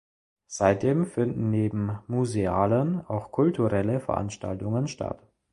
Seitdem finden neben musealen auch kulturelle Veranstaltungen statt.